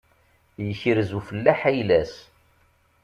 Yekrez ufellaḥ ayla-s.